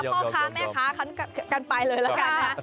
ดับทั้งทีกันเลยล่ะแค่ฮะ